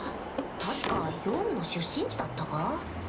確かヨウムの出身地だったか？